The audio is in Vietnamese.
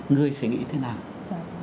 người sẽ nghĩ thế nào